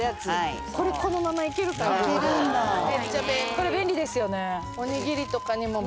これ便利ですよね。